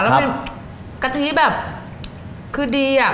แล้วมีกะทิแบบคือดีอ่ะ